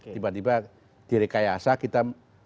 tiba tiba di rekayasa kita